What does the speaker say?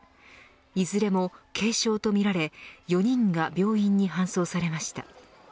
いずれも軽症とみられ４人が病院に搬送されました。